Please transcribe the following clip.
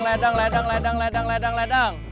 ledang ledang ledang ledang ledang ledang